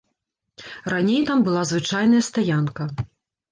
Раней там была звычайная стаянка.